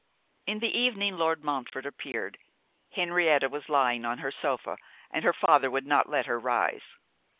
In the evening Lord Montfort appeared. Henrietta was lying on her sofa, and her father would not let her rise.